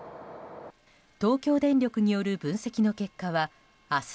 東京電力による分析の結果は明日